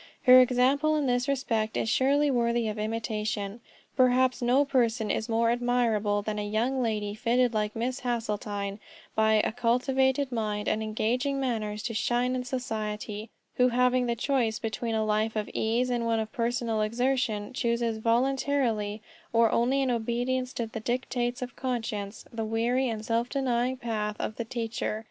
Her example in this respect is surely worthy of imitation. Perhaps no person is more admirable than a young lady fitted like Miss Hasseltine by a cultivated mind and engaging manners to shine in society, who having the choice between a life of ease and one of personal exertion, chooses voluntarily, or only in obedience to the dictates of conscience, the weary and self denying path of the teacher.